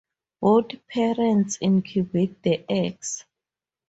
Both parents incubate the eggs.